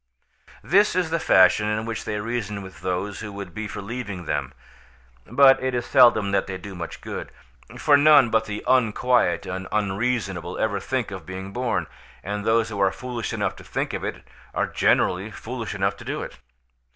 This is the fashion in which they reason with those who would be for leaving them, but it is seldom that they do much good, for none but the unquiet and unreasonable ever think of being born, and those who are foolish enough to think of it are generally foolish enough to do it.